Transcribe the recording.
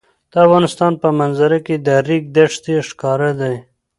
د افغانستان په منظره کې د ریګ دښتې ښکاره ده.